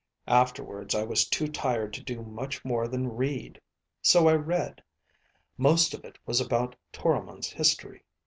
Afterwards I was too tired to do much more than read. So I read. Most of it was about Toromon's history.